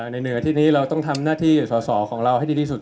เหนือที่นี้เราต้องทำหน้าที่สอสอของเราให้ดีที่สุด